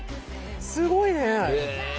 すごいね。